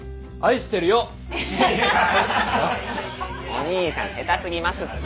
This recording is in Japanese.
お義兄さん下手過ぎますって。